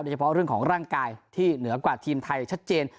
เฉพาะเรื่องของร่างกายที่เหนือกว่าทีมไทยชัดเจน